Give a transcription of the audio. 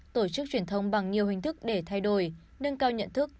tổ chức truyền thông bằng nhiều hình thức để thay đổi nâng cao nhận thức